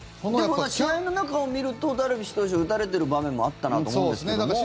試合の中を見るとダルビッシュ投手打たれてる場面もあったなと思うんですけども。